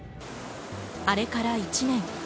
あれから１年。